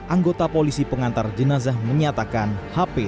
anggota polisi pengantar jenazah menyatakan hp